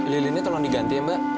lilinnya tolong diganti mbak